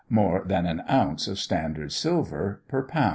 (more than an ounce of standard silver) per lb.